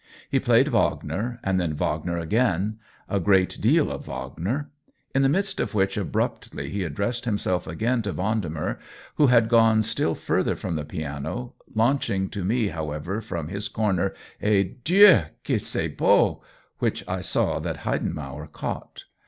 He played Wagner, and then Wag ner again — a great deal of Wagner ; in the midst of which, abruptly, he addressed him self again to Vendemer, who had gone still farther from the piano, launching to me, however, from his corner a " Dieu^ que c'est beau P^ which I saw that Heidenmauer caught.